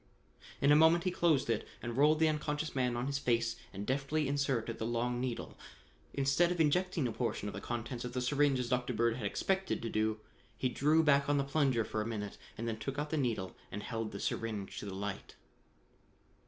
In a moment he closed it and rolled the unconscious man on his face and deftly inserted the long needle. Instead of injecting a portion of the contents of the syringe as Dr. Bird had expected to do, he drew back on the plunger for a minute and then took out the needle and held the syringe to the light.